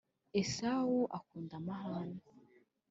Esawu akunda amahane.